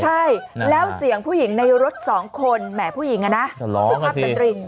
ใช่แล้วเสียงผู้หญิงในรถสองคนแหมผู้หญิงอะนะสุภาพสตริง